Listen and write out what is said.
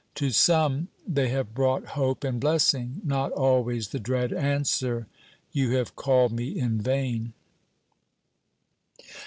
to some they have brought hope and blessing; not always the dread answer, "You have called me in vain."